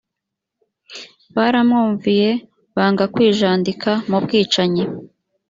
baramwumviye banga kwijandika mu bwicanyi